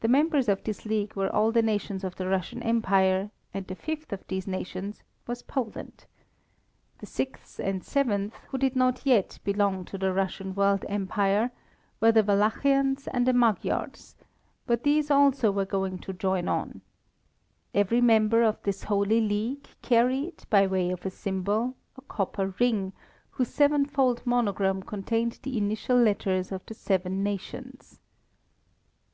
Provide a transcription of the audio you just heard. The members of this league were all the nations of the Russian Empire, and the fifth of these nations was Poland. The sixth and seventh, who did not yet belong to the Russian world empire, were the Wallachians and the Magyars; but these also were going to join on. Every member of this holy league carried by way of a symbol a copper ring, whose sevenfold monogram contained the initial letters of the seven nations.